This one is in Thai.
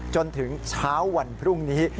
จนถึงเช้าวันพรุ่งนี้